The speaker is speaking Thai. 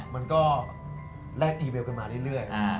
มันก็แลกอีเวลกันมาเรื่อย